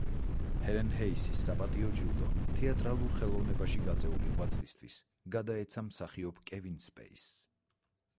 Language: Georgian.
ჰელენ ჰეისის საპატიო ჯილდო თეატრალურ ხელოვნებაში გაწეული ღვაწლისთვის გადაეცა მსახიობ კევინ სპეისის.